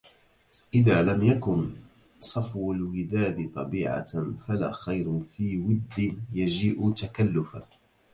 إذا لم يكن صفو الوداد طبيعة... فلا خير في ود يجيء تكلفا